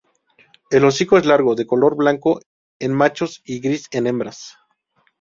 El hocico es largo, de color blanco en machos y gris en hembras.